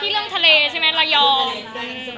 ที่เริ่มทะเลใช่ไหมรยอง